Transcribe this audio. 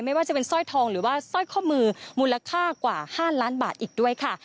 ไม่ว่าจะเป็นสร้อยทองหรือว่าสร้อยข้อมือมูลค่ากว่า๕ล้านบาทอีกด้วยค่ะ